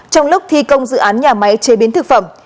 trong lúc thi công dự án nhà máy chế biến thực phẩm